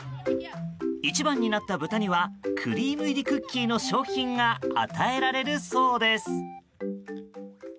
一番になったブタにはクリーム入りクッキーの商品が与えられるそうです。